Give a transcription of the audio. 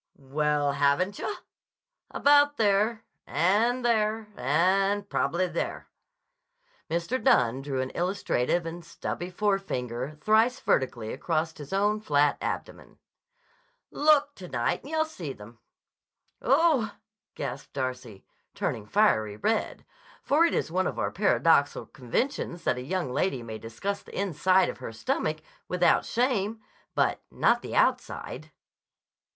"Well, haven't yah? About there—and there—and prob'ly there." Mr. Dunne drew an illustrative and stubby forefinger thrice vertically across his own flat abdomen. "Look to night and yah'll see 'em." "Oh!" gasped Darcy, turning fiery red, for it is one of our paradoxical conventions that a young lady may discuss the inside of her stomach without shame, but not the outside.